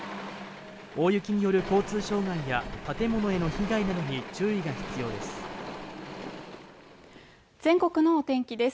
大雪による交通障害や建物への被害などに注意が必要です全国のお天気です